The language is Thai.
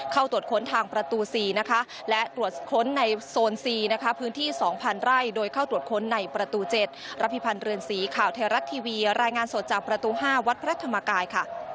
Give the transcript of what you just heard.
รับพิพันธ์เรือนสีข่าวเทราะท์ทีวีรายงานสดจากประตู๕วัดพระธรรมกาย